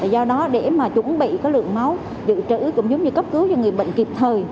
do đó để mà chuẩn bị cái lượng máu dự trữ cũng giống như cấp cứu cho người bệnh kịp thời